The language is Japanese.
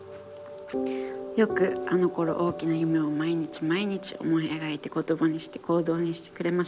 よくあのころ大きな夢を毎日毎日思いえがいて言葉にして行動にしてくれましたね。